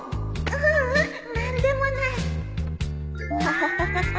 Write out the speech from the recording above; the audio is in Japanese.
ううん何でもないハハハ。